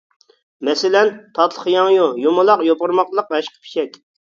مەسىلەن: تاتلىق ياڭيۇ، يۇمىلاق يوپۇرماقلىق ھەشقىپىچەك.